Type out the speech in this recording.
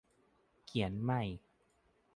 เขียนใหม่